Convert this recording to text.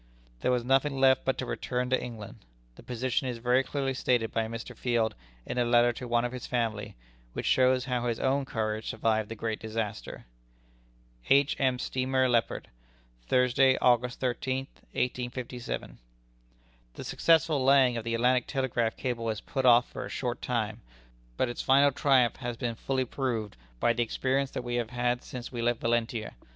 There was nothing left but to return to England. The position is very clearly stated by Mr. Field in a letter to one of his family, which shows how his own courage survived the great disaster: "H. M. Steamer Leopard, Thursday, August 13, 1857. "The successful laying down of the Atlantic Telegraph Cable is put off for a short time, but its final triumph has been fully proved, by the experience that we have had since we left Valentia.